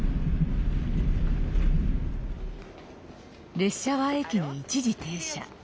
列車は駅に一時停車。